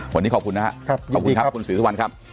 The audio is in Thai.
วันนี้ขอบคุณนะครับขอบคุณครับคุณศรีสุวรรณครับ